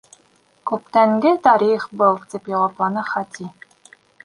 — Күптәнге тарих был, — тип яуапланы Хати.